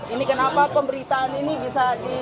ini kenapa pemberitaan ini bisa di